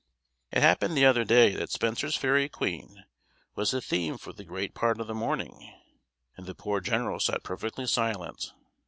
It happened the other day that Spenser's Fairy Queen was the theme for the great part of the morning, and the poor general sat perfectly silent.